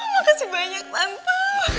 makasih banyak tante